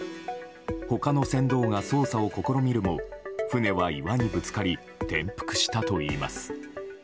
他の船頭が操作を試みるも船は岩にぶつかり転覆したといいます。